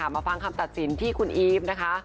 มาฟังคำตัดสินที่คุณอีฟนะคะ